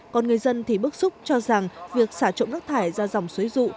còn người dân thì bức xúc cho rằng việc xả trộm rác thải ra dòng suối rụ